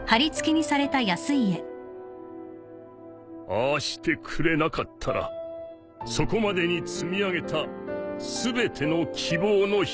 ああしてくれなかったらそこまでに積み上げた全ての希望の灯が消えていた。